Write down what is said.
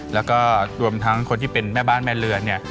แล้วก็รวมทั้งคนที่เป็นแม่บ้านแม่เรือนเนี่ย